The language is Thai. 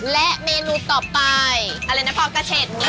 และเมนูต่อไปอะไรนะพ่อกาเชศนอด